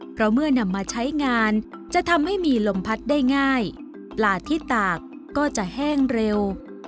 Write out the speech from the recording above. เพราะเมื่อนำมาใช้งานจะทำให้มีลมพัดได้ง่ายปลาที่ตากก็จะแห้งเร็ว